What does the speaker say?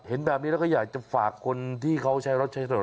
เห็นแบบนี้แล้วก็อยากจะฝากคนที่เขาใช้รถใช้ถนน